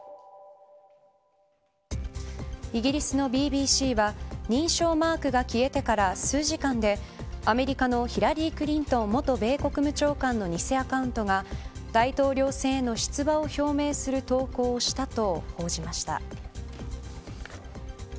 イギリスのＢＢＣは認証マークが消えてから数時間でアメリカのヒラリー・クリントン元米国務長官の偽アカウントが、大統領選への出馬を表明する投稿をしたと報じました。